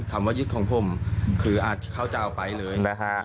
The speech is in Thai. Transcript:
คำว่ายึดของผมคืออาจจะเขาจะเอาไปเลยนะฮะ